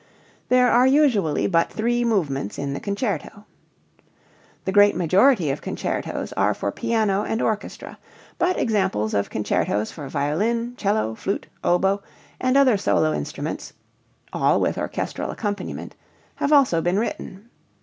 There are usually but three movements in the concerto. The great majority of concertos are for piano and orchestra, but examples of concertos for violin, cello, flute, oboe, and other solo instruments (all with orchestral accompaniment) have also been written.